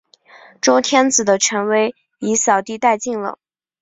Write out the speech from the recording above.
周天子的权威已扫地殆尽了。